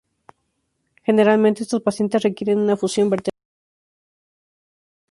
Generalmente, estos pacientes requieren una fusión vertebral.